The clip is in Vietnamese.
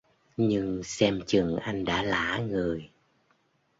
Nhưng xem chừng anh đã lả người